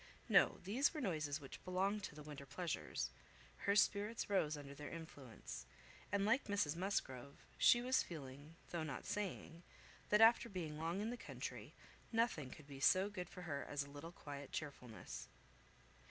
No, these were noises which belonged to the winter pleasures; her spirits rose under their influence; and like Mrs Musgrove, she was feeling, though not saying, that after being long in the country, nothing could be so good for her as a little quiet cheerfulness.